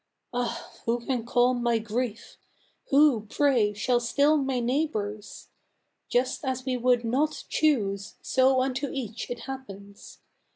Ah, who can calm my grief; who, pray, shall still my neighbor's? Just as we would not choose, so unto each it happens!